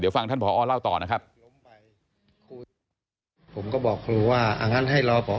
เดี๋ยวฟังท่านผอเล่าต่อนะครับ